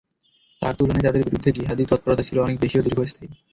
তার তুলনায় তাদের বিরুদ্ধে জিহাদী তৎপরতা ছিল অনেক বেশি ও দীর্ঘস্থায়ী।